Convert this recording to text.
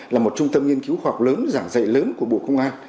là một trung tâm nghiên cứu khoa học lớn giảng dạy lớn của bộ công an